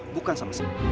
bukan sama sekali